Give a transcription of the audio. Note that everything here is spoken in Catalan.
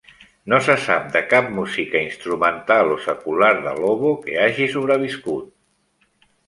No se sap de cap música instrumental o secular de Lobo que hagi sobreviscut.